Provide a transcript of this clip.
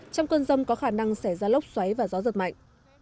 trong cơn rông có khả năng xảy ra lốc xoáy và gió giật mạnh